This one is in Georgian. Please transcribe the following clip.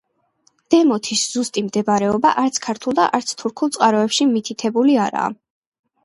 დემოთის ზუსტი მდებარეობა არც ქართულ და არც თურქულ წყაროებში მითითებული არააა.